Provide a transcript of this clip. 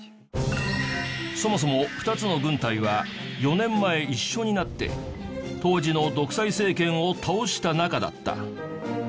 そもそも２つの軍隊は４年前一緒になって当時の独裁政権を倒した仲だった。